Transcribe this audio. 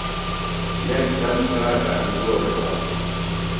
یکدم کاڇہ انگور ݜاتوۡ۔